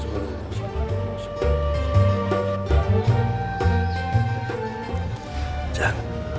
subhanallah subhanallah subhanallah